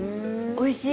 おいしい。